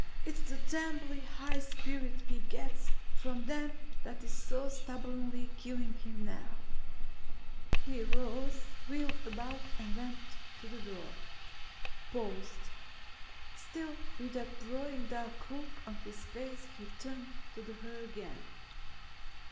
Its the damnably high spirit he gets from them that is so stubbornly killing him now." He rose, wheeled about and went to the door. Paused. Still with that brooding dark look on his face he turned to her again.